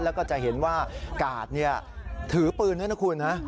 แล้วก็จะเห็นว่ากาดถือปืนด้วยนะคุณนะ